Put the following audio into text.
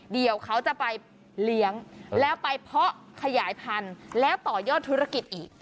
เดี๋ยวเขาจะไปเลี้ยงแล้วไปเพาะขยายพันธุ์แล้วต่อยอดธุรกิจอีก